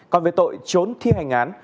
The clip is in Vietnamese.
còn về tội trốn thi hành án